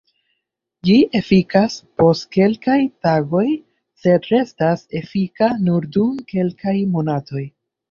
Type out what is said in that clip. Ĝi efikas post kelkaj tagoj sed restas efika nur dum kelkaj monatoj.